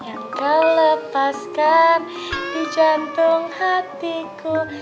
yang kau lepaskan di jantung hatiku